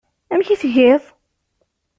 Amek i tgiḍ?